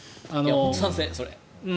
賛成、それ。